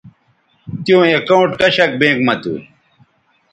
تیوں اکاؤنٹ کشک بینک مہ تھو